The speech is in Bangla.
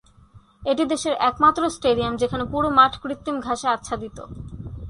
এটি দেশের একমাত্র স্টেডিয়াম যেখানে পুরো মাঠ কৃত্রিম ঘাসে আচ্ছাদিত।